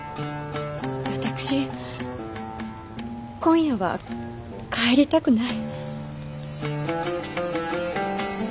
私今夜は帰りたくない。